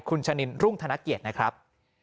คุณชะนินรุ่งธนเกียรตินะครับ